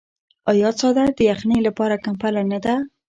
آیا څادر د یخنۍ لپاره کمپله نه ده؟